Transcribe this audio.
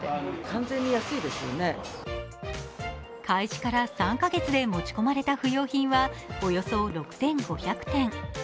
開始から３カ月で持ち込まれた不要品は、およそ６５００点。